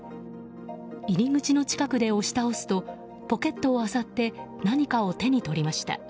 入り口の近くで押し倒すとポケットを漁って何かを手に取りました。